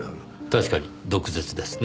確かに毒舌ですねぇ。